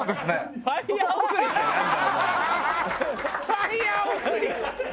ファイヤー送り。